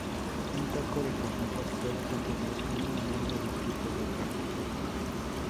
Un taco de carnitas puede contener uno o más de los tipos de carne.